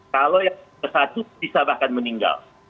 kalau yang satu bisa bahkan meninggal